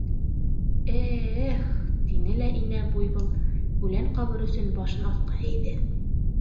— Э-эх! — тине лә инә буйвол үлән ҡабыр өсөн башын аҫҡа эйҙе.